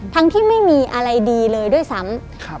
ทั้งที่ไม่มีอะไรดีเลยด้วยซ้ำ